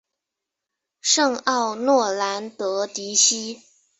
圣奥诺兰德迪西。